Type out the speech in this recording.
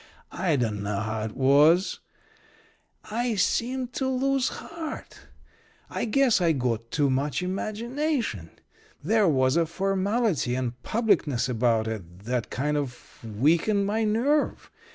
I dunno how it was I seemed to lose heart. I guess I got too much imagination. There was a formality and publicness about it that kind of weakened my nerve.